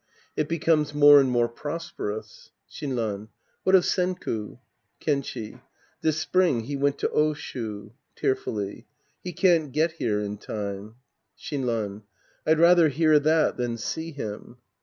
It becomes more and more prosperous. Shinran. What of Senku ? Kenchi. This spring he went to Dshu. {Tear fully.) He can't get here in time. Shinran. I'd rather hear that than see him.